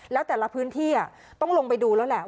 แล้วแต่ละพื้นที่ต้องลงไปดูแล้วแหละ